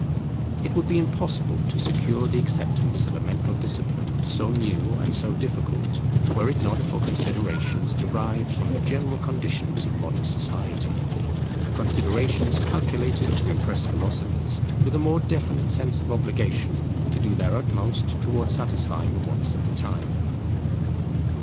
It would be impossible to secure the acceptance of a mental discipline, so new and so difficult, were it not for considerations derived from the general conditions of modern society; considerations calculated to impress philosophers with a more definite sense of obligation to do their utmost towards satisfying the wants of the time.